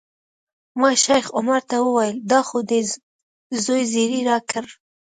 ما شیخ عمر ته وویل دا خو دې د زوی زیری راکړ.